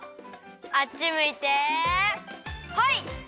あっちむいてホイ！